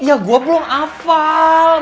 ya gue belum hafal